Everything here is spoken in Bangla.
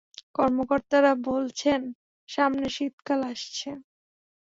কর্মকর্তারা বলছেন, সামনে শীতকাল আসছে।